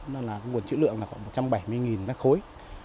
nguồn chữ lượng là khoảng một trăm bảy mươi nát khối